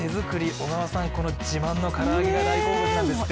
小川さん、この自慢の唐揚げが大好物なんですって。